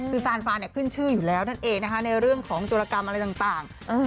คือสานฟรานเนี่ยขึ้นชื่ออยู่เลยท่านเอกนะคะในรื่องของจุดระกรรมอะไรต่าง